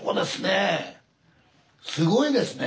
すごいですね！